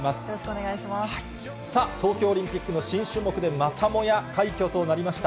さあ、東京オリンピックの新種目でまたもや快挙となりました。